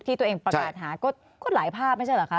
ที่ตัวเองประกาศหาก็หลายภาพไม่ใช่เหรอคะ